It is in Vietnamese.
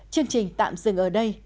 chương trình tạm dừng ở đây